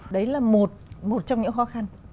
đấy là một trong những khó khăn